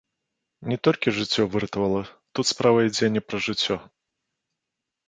Не толькі жыццё выратавала, тут справа ідзе не пра жыццё.